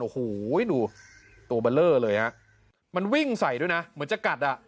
โอ้โหดูตัวเบลเลอร์เลยฮะมันวิ่งใส่ด้วยนะเหมือนจะกัดอ่ะ